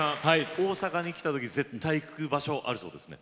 大阪に来た時絶対行く場所あるそうですね。